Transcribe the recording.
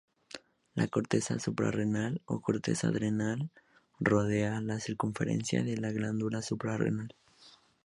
La corteza suprarrenal o corteza adrenal rodea la circunferencia de la glándula suprarrenal.